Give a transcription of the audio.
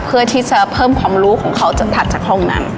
เพื่อที่จะเพิ่มความรู้ของเขาจนถัดจากห้องนั้น